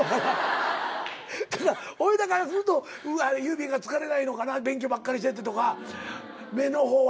だからおいらからすると指が疲れないのかな勉強ばっかりしててとか目の方はやっぱり。